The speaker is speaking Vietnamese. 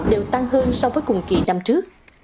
đều tăng hơn so với cùng kỳ năm trước